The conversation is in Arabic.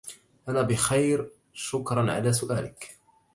أنا بخير. شكرا على سؤالك!